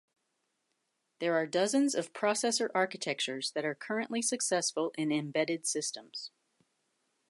There are dozens of processor architectures that are currently successful in embedded systems.